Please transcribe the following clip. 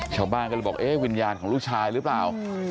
ชาวบ้านก็เลยบอกเอ๊ะวิญญาณของลูกชายหรือเปล่า